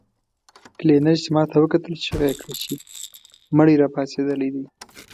کلينر چې ماته وکتل چيغه يې کړه چې مړی راپاڅېدلی دی.